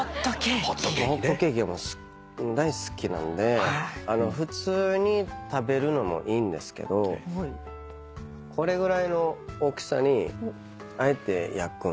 ホットケーキが大好きなんで普通に食べるのもいいんですけどこれぐらいの大きさにあえて焼くんですよ。